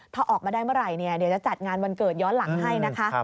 ถ้าออกมาได้เมื่อไหร่เดี๋ยวจะจัดงานวันเกิดย้อนหลังให้นะคะ